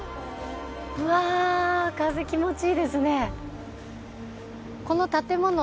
うわぁ風気持ちいいですね。